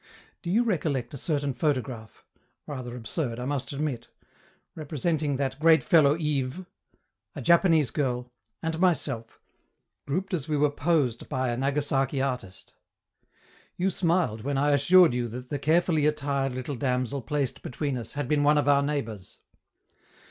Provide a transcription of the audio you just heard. Do you recollect a certain photograph rather absurd, I must admit representing that great fellow Yves, a Japanese girl, and myself, grouped as we were posed by a Nagasaki artist? You smiled when I assured you that the carefully attired little damsel placed between us had been one of our neighbors.